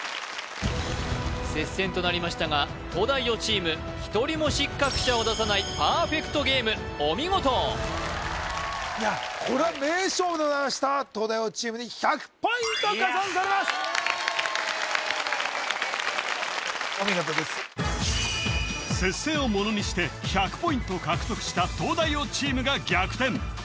接戦となりましたが東大王チーム１人も失格者を出さないパーフェクトゲームお見事これは名勝負でございました東大王チームに１００ポイント加算されますお見事です接戦をものにして１００ポイント獲得した東大王チームが逆転